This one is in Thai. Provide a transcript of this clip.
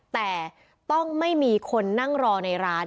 แต่ต้องไม่มีคนนั่งรอในร้าน